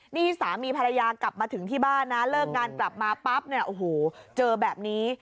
นี่สามีภรรยากลับมาถึงที่บ้านนะเลิกงานกลับมาปั๊บเนี่ยโอ้โหเจอแบบนี้